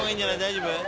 大丈夫？